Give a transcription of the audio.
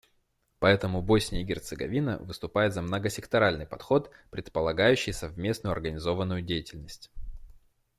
Поэтому Босния и Герцеговина выступает за многосекторальный подход, предполагающий совместную организованную деятельность.